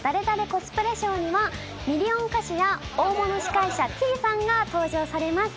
コスプレショーにはミリオン歌手や大物司会者Ｔさんが登場されます。